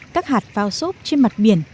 các hạt phao sốt trên mặt biển